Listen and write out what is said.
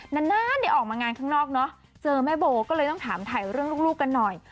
นานออกมางานข้างนอกเนอะเจอแม่โบก็เลยต้องถามถ่ายเรื่องลูกกันหน่อย